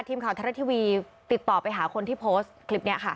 ทีมข่าวไทยรัฐทีวีติดต่อไปหาคนที่โพสต์คลิปนี้ค่ะ